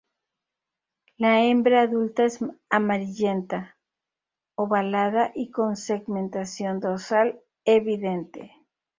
La hembra adulta es amarillenta, ovalada y con segmentación dorsal evidente.